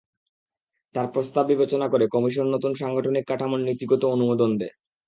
তাঁর প্রস্তাব বিবেচনা করে কমিশন নতুন সাংগঠনিক কাঠামোর নীতিগত অনুমোদন দেয়।